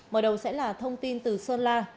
mở đầu sẽ là thông tin từ sơn la